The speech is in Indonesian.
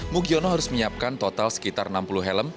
mugiono harus menyiapkan total sekitar enam puluh helm